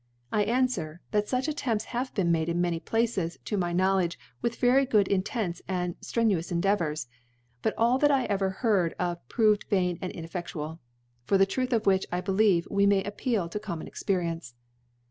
I anfwer, that fuch Attempts * have been made in many Places to my * Knowledge, with very gcx)d Intents and ^ ilrenuous Endeavour^ i but all that I ever * heard of proved vain and inefFedual/ For the Truth of which, I believe, we may appeal to common Experience.